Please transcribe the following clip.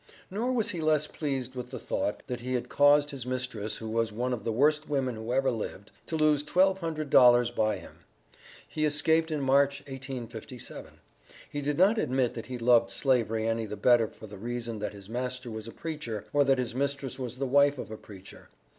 Nor was he less pleased with the thought, that he had caused his mistress, who was "one of the worst women who ever lived," to lose twelve hundred dollars by him. He escaped in March, 1857. He did not admit that he loved slavery any the better for the reason that his master was a preacher, or that his mistress was the wife of a preacher.